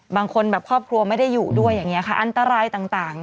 บางคนแบบครอบครัวไม่ได้อยู่ด้วยอย่างนี้ค่ะอันตรายต่าง